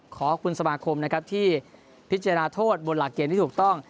ขอบคุณสมาคมนะครับที่พิจารณาโทษบนหลักเกณฑ์ที่ถูกต้อง